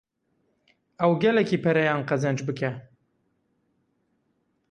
Ew gelekî pereyan qezenc bike.